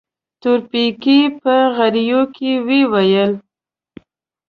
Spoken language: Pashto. تورپيکۍ په غريو کې وويل.